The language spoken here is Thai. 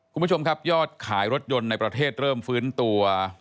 คุณผู้ชมครับยอดขายรถยนต์ในประเทศเริ่มฟื้นตัว